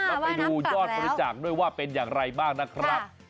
แล้วไปดูยอดบริจาคด้วยว่าเป็นอย่างไรบ้างนะครับ